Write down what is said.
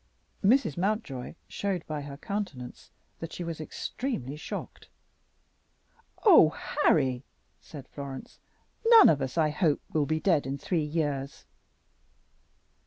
Mrs. Mountjoy showed by her countenance that she was extremely shocked. "Oh, Harry!" said Florence, "none of us, I hope, will be dead in three years."